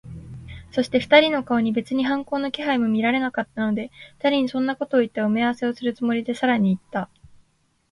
そして、二人の顔に別に反抗の気配も見られなかったので、二人にそんなことをいった埋合せをするつもりで、さらにいった。